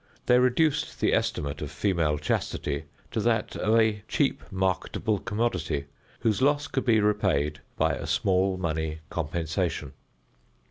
They reduced the estimate of female chastity to that of a cheap marketable commodity, whose loss could be repaid by a small money compensation.